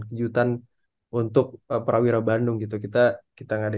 itu notes yang penting ya